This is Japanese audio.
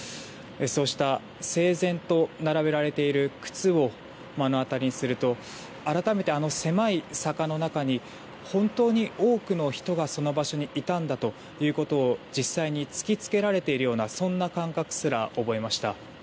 そうした整然と並べられている靴を目の当たりにすると改めて、あの狭い坂の中に本当に多くの人がその場所にいたんだということを実際に突き付けられているような感覚すら覚えました。